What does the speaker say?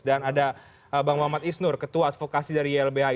dan ada bang muhammad isnur ketua advokasi dari ylbi